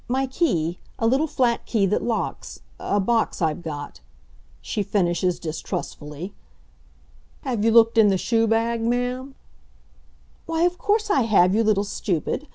My key a little flat key that locks a box I've got," she finishes distrustfully. "Have you looked in the shoe bag, ma'am?" "Why, of course I have, you little stupid.